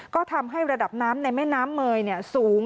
ก็ทำให้ระดับน้ำในแม่น้ำเมยสูง